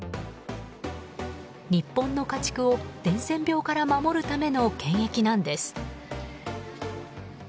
日本の家畜を伝染病から守るための検疫なんです。